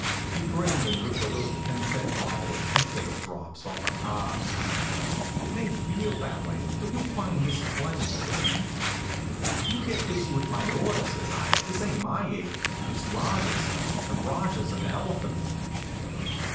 He grinned and ripped a little ten cent bottle of toothache drops off a card. "It may feel that way, but you'll find this plenty," says he. "You get busy with my order," says I. "This ain't my ache, it's Rajah's, and Rajah's an elephant."